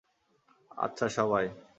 আচ্ছা, সবাই।